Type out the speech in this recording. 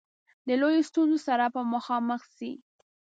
د لویو ستونزو سره به مخامخ سي.